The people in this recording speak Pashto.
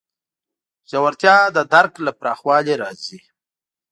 ژورتیا د درک له پراخوالي راځي.